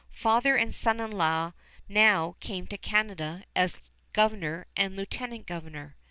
Father and son in law now came to Canada as governor and lieutenant governor.